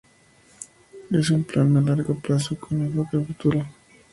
Es un plan a largo plazo, con enfoque al futuro.